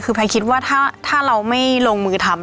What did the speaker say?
คือแพทย์คิดว่าถ้าเราไม่ลงมือทำ